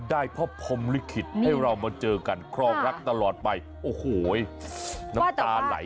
ได้พ่อพรมลิขิตให้เรามาเจอกันครองรักตลอดไปโอ้โหน้ำตาไหล